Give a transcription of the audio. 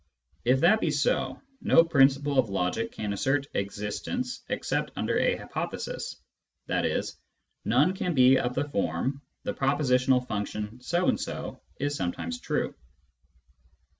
If that be so, no principle of logic can assert " existence " except under a hypothesis, i.e. none can be of the form " the prepositional function so and so is sometimes true."